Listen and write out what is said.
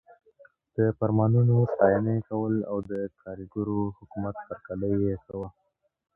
د فرمانونو ستاینه یې کوله او د کارګرو حکومت هرکلی یې کاوه.